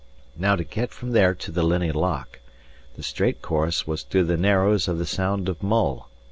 Now to get from there to the Linnhe Loch, the straight course was through the narrows of the Sound of Mull.